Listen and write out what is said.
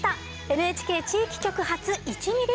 「ＮＨＫ地域局発１ミリ